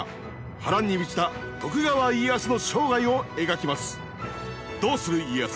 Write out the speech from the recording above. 波乱に満ちた徳川家康の生涯を描きます。